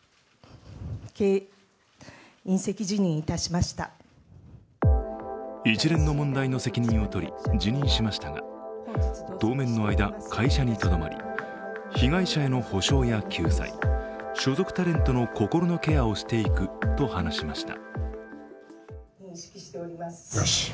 そして一連の問題の責任を取り辞任しましたが、当面の間、会社にとどまり、被害者への補償や救済、所属タレントの心のケアをしていくと話しました。